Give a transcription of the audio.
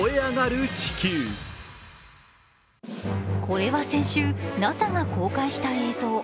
これは先週、ＮＡＳＡが公開された映像。